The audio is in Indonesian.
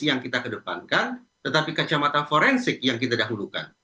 yang kita kedepankan tetapi kacamata forensik yang kita dahulukan